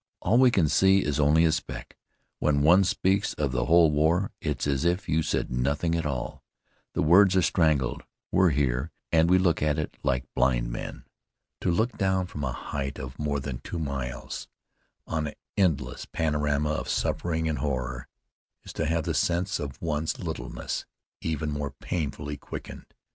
All we can see is only a speck. When one speaks of the whole war, it's as if you said nothing at all the words are strangled. We're here, and we look at it like blind men." To look down from a height of more than two miles, on an endless panorama of suffering and horror, is to have the sense of one's littleness even more painfully quickened.